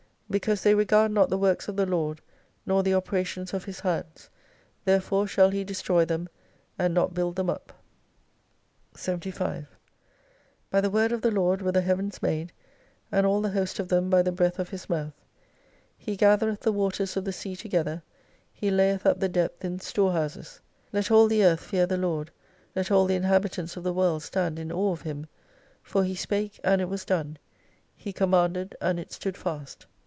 Because they regard not thb Works of the Lord, nor the operations of His hands, therefore shall He destroy them, and not kiild them up. 75 By the Word of the Lord were the Heavens made, and all the Host of them by the breath of His mouth. He gat here th the imters of the sea together. He layeth up the depth in storehouses. Let all the Earth fear the Lord, let all the inhabitants of the tvorld stand in awe of Him. For He spake, and it was done ; He commanded, and it stood fast.